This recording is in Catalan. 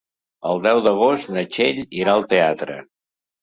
El deu d'agost na Txell irà al teatre.